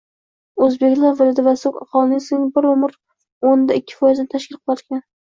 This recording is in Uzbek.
o‘zbeklar Vladivostok aholisining bir butun o'nda ikki foizini tashkil qilarkan.